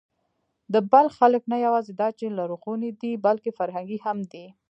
د بلخ خلک نه یواځې دا چې لرغوني دي، بلکې فرهنګي هم دي.